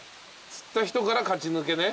釣った人から勝ち抜けね。